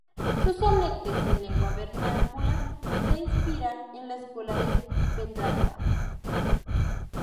Sus sonetos en lengua vernácula se inspiran en la escuela de Petrarca.